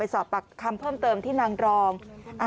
สอบปากคำเพิ่มเติมที่นางรอง